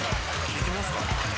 聞きますか。